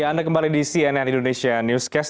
ya anda kembali di cnn indonesia newscast